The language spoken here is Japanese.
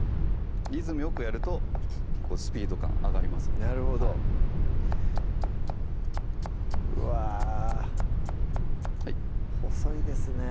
リズムよくやるとスピード感上がりますのでなるほどうわ細いですね